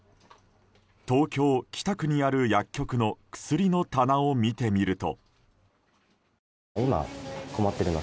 東京・北区にある薬局の薬の棚を見てみると。